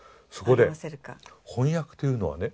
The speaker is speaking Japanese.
翻訳というのはね